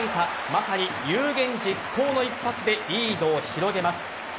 まさに有言実行の一発でリードを広げます。